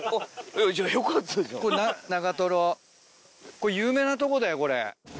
これ有名なとこだよこれ。